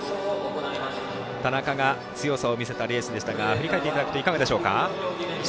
田中が強さを見せたレースでしたが振り返るといかがでしたか？